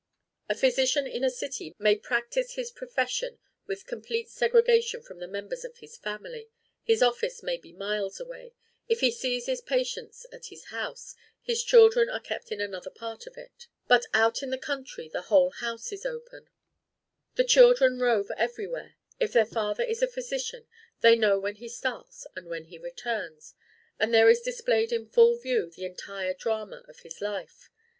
A physician in a city may practise his profession with complete segregation from the members of his family; his office may be miles away; if he sees his patients in his house, his children are kept in another part of it. But out in the country the whole house is open; the children rove everywhere; if their father is a physician, they know when he starts and when he returns; and there is displayed in full view the entire drama of his life.